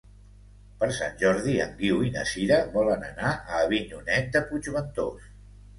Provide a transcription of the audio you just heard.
Per Sant Jordi en Guiu i na Sira volen anar a Avinyonet de Puigventós.